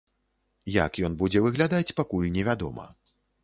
Як ён будзе выглядаць, пакуль невядома.